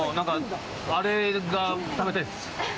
あれが食べたいです。